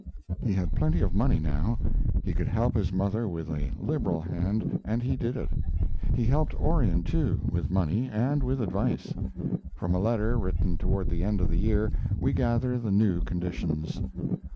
He had plenty of money now. He could help his mother with a liberal hand, and he did it. He helped Orion, too, with money and with advice. From a letter written toward the end of the year, we gather the new conditions.